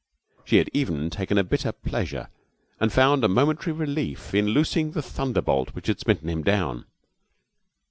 She had even taken a bitter pleasure and found a momentary relief in loosing the thunderbolt which had smitten him down.